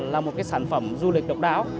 là một sản phẩm du lịch độc đáo